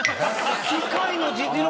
機械の実力